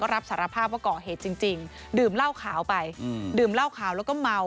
รับสารภาพว่าก่อเหตุจริงดื่มเหล้าขาวไปดื่มเหล้าขาวแล้วก็เมา